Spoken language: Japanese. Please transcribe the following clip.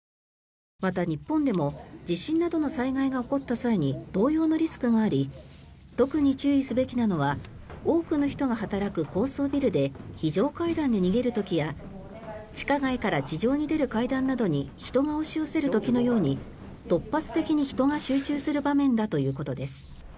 また、日本でも地震などの災害が起こった際に同様のリスクがあり特に注意すべきなのは多くの人が働く高層ビルで非常階段に逃げる時や地下街から地上に出る階段などに人が押し寄せる時のように突発的に人が集中する場面だということです。